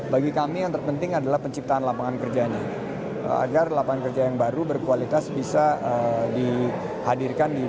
bagi kami yang terpenting adalah penciptaan lapangan kerjanya agar lapangan kerja yang baru berkualitas bisa dihadirkan di